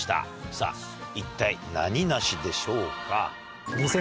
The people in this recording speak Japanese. さぁ一体何梨でしょうか？